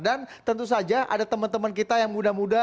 dan tentu saja ada teman teman kita yang muda muda